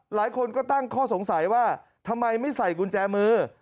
หลายคนก็ตั้งข้อสงสัยว่าทำไมไม่ใส่กุญแจมือ